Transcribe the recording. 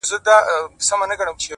تر تا څو چنده ستا د زني عالمگير ښه دی _